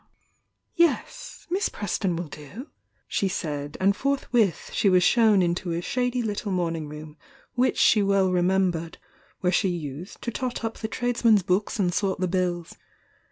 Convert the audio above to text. "Yes — Miss Preston will do," she said, and forth with she was shown into a shady little morning room which she well remembered, where she used to tot up the tradesmen's books and sort the bills.